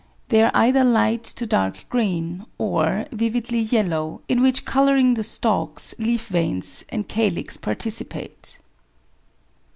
They are either light to dark green, or vividly yellow, in which colouring the stalks, leaf veins, and calyx participate.